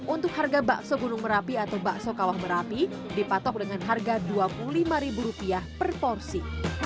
untuk harga bakso gunung merapi atau bakso kawah merapi dipatok dengan harga rp dua puluh lima per porsi